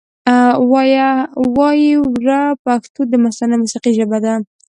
وایې وره پښتو دمستانه موسیقۍ ژبه ده